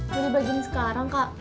beli begini sekarang kak